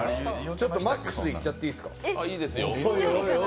ちょっとマックスでいっちゃっていいですか。